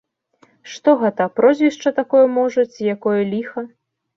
Што гэта, прозвішча такое можа, ці якое ліха?